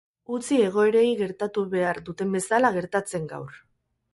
Utzi egoerei gertatu behar duten bezala gertatzen gaur.